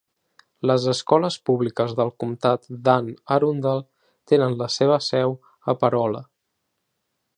Les escoles públiques del comtat d'Anne Arundel tenen la seva seu a Parole.